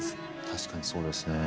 確かにそうですね。